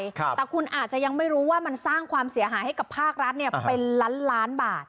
แต่คุณอาจจะยังไม่รู้ว่ามันสร้างความเสียหายให้กับภาครัฐเนี่ยเป็นล้านล้านบาท